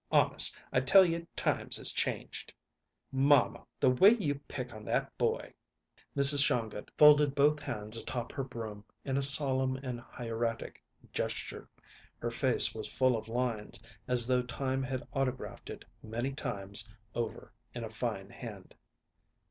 Honest, I tell you times is changed!" "Mamma, the way you pick on that boy!" Mrs. Shongut folded both hands atop her broom in a solemn and hieratic gesture; her face was full of lines, as though time had autographed it many times over in a fine hand.